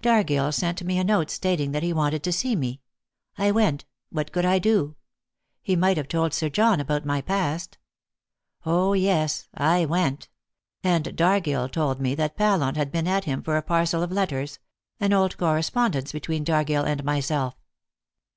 "Dargill sent me a note stating that he wanted to see me. I went; what could I do? He might have told Sir John about my past. Oh yes, I went; and Dargill told me that Pallant had been at him for a parcel of letters an old correspondence between Dargill and myself.